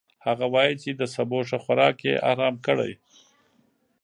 هغه وايي چې د سبو ښه خوراک يې ارام کړی.